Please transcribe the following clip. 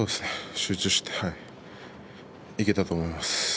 集中していけたと思います。